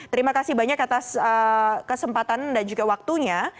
terima kasih banyak atas kesempatan dan juga waktunya